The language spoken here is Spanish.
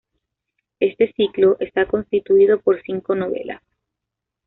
Este ciclo está constituido por cinco novelas.